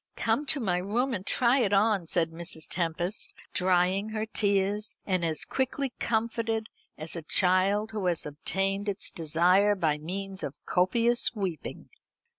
Come to my room and try it on," said Mrs. Tempest, drying her tears, and as quickly comforted as a child who has obtained its desire by means of copious weeping.